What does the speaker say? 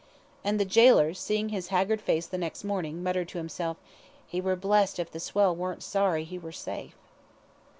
And the gaoler, seeing his haggard face the next morning, muttered to himself, "He war blest if the swell warn't sorry he war safe."